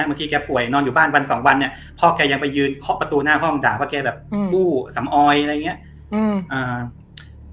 บางทีแกป่วยนอนอยู่บ้านวันสองวันเนี่ยพ่อแกยังไปยืนเคาะประตูหน้าห้องด่าว่าแกแบบอืมบู้สำออยอะไรอย่างเงี้ยอืมอ่า